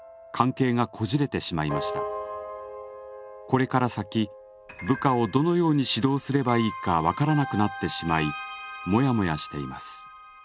これから先部下をどのように指導すればいいか分からなくなってしまいモヤモヤしています。